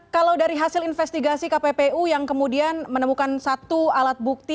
kalau dari hasil investigasi kppu yang kemudian menemukan satu alat bukti